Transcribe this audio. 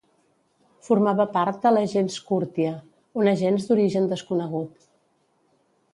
Formava part de la gens Curtia, una gens d'origen desconegut.